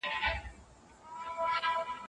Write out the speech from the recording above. که اګوست کنت دا نوم نه وای ايښی، بل چا به ايښی و.